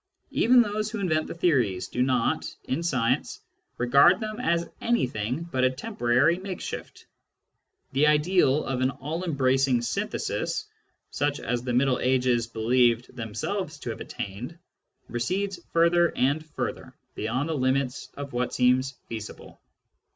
Even those who invent the theories do not, in science, regard them as anything but a temporary makeshift. The ideal of an all embracing synthesis, such as the Middle Ages believed themselves to have attained, recedes further and further beyond the limits of what seems feasible.